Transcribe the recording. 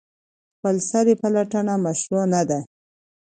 خپلسري پلټنه مشروع نه ده.